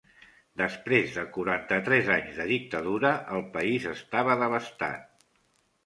Després de quaranta-tres anys de dictadura, el país estava devastat.